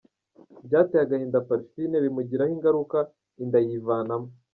Byateye agahinda Parfine bimugiraho ingaruka inda yivanamo”.